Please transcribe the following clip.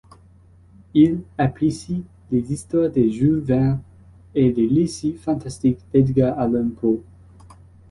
Il apprécie les histoires de Jules Verne et les récits fantastiques d’Edgar Allan Poe.